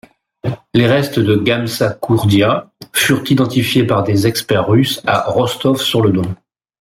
Les restes de Gamsakhourdia furent identifiés par des experts russes à Rostov-sur-le-Don.